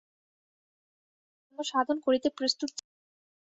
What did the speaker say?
সে ব্যক্তি বহু জন্ম সাধন করিতে প্রস্তুত ছিল।